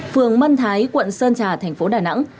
phường mân thái quận sơn trà thành phố đà nẵng